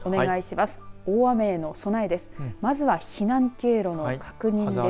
まずは、避難経路の確認です。